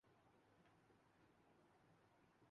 پرہیز علاج سے بہتر ہے۔